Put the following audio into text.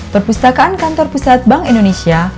perpustakaan kantor pusat bank indonesia